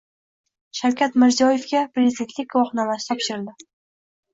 Shavkat Mirziyoyevga Prezidentlik guvohnomasi topshirilding